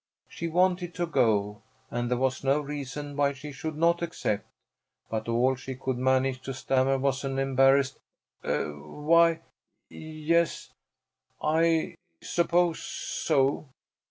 She wanted to go, and there was no reason why she should not accept, but all she could manage to stammer was an embarrassed, "Why, yes I suppose so."